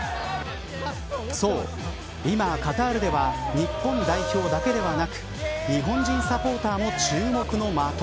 そう、今カタールでは日本代表だけではなく日本人サポーターも注目の的。